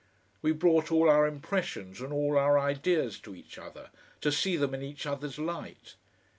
We brought all our impressions and all our ideas to each other, to see them in each other's light.